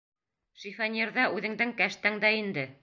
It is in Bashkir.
Шифоньерҙа үҙеңдең кәштәңдә инде.